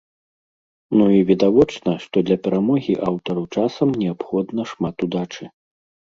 Ну і відавочна, што для перамогі аўтару часам неабходна шмат удачы.